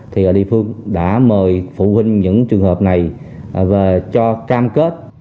thì địa phương đã mời phụ huynh những trường hợp này và cho cam kết